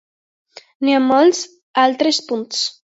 Ni en molts altres punts.